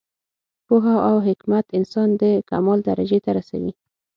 پوهه او حکمت انسان د کمال درجې ته رسوي.